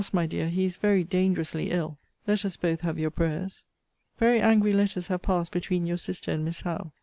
my dear, he is very dangerously ill. Let us both have your prayers! Very angry letters have passed between your sister and Miss Howe.